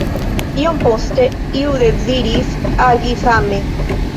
Iom poste iu deziris agi same.